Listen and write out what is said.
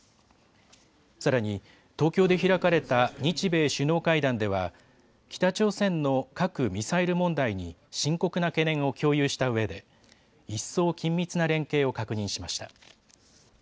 さらに東京で開かれた日米首脳会談では北朝鮮の核・ミサイル問題に深刻な懸念を共有したうえで一層、緊密な連携を確認しました。